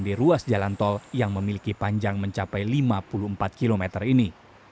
di ruas jalan tol yang memiliki panjang mencapai lima puluh empat km ini